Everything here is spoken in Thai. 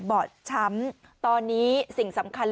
โปรดติดตามต่อไป